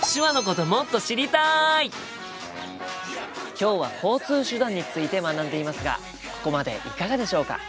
今日は交通手段について学んでいますがここまでいかがでしょうか？